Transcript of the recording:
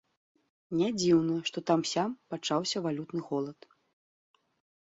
Нядзіўна, што там-сям пачаўся валютны голад.